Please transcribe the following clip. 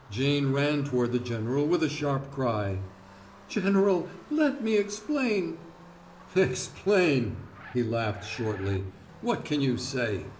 Jane ran toward the general with a sharp cry: "General let me explain " "Explain!" He laughed shortly. "What can you say?